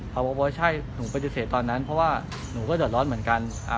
เขาบอกว่าใช่หนูปฏิเสธตอนนั้นเพราะว่าหนูก็เดือดร้อนเหมือนกัน